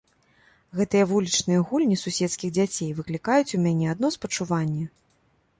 Гэтыя вулічныя гульні суседскіх дзяцей выклікаюць у мяне адно спачуванне.